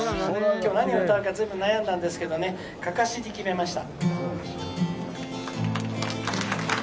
今日何を歌うか随分悩んだんですけどね「案山子」に決めました。